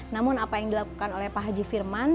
namun apa yang dilakukan oleh pak haji firman